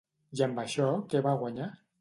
I amb això què va guanyar?